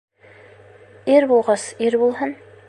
Ир булғас, ир булһын.